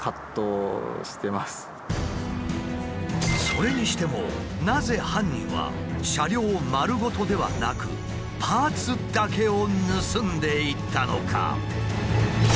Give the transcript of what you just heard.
それにしてもなぜ犯人は車両丸ごとではなくパーツだけを盗んでいったのか？